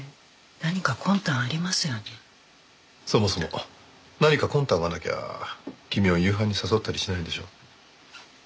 そもそも何か魂胆がなきゃ君を夕飯に誘ったりしないでしょう。